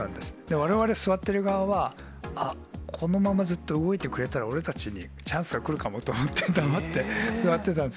われわれ座ってる側は、あっ、このままずっと動いてくれたら、俺たちにチャンスが来るかもと思って、黙って座ってたんです。